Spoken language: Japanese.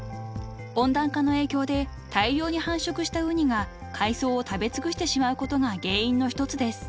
［温暖化の影響で大量に繁殖したウニが海藻を食べ尽くしてしまうことが原因の一つです］